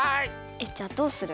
えっじゃあどうする？